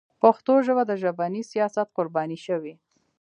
پښتو ژبه د ژبني سیاست قرباني شوې.